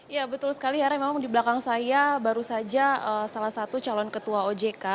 ya betul sekali hera memang di belakang saya baru saja salah satu calon ketua ojk